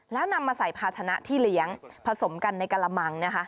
แล้วนำมาใส่ภาชนะที่เลี้ยงผสมกันในกะละมังนะคะ